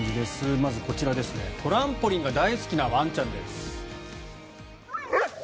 まず、こちらトランポリンが大好きなワンちゃんです。